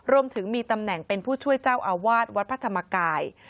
รวมถึงมีตำแหน่งเป็นผู้ช่วยเจ้าอาวาสวัดพระธรรมกาย